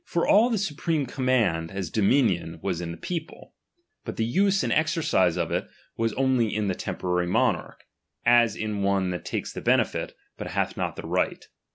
For all the su , preme command, as dominion, was in the people; but the use and exercise of it was only in the temporary monarch, as in one that takes the benefit, but hath not the right.